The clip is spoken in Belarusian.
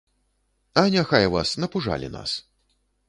А няхай вас, напужалі нас.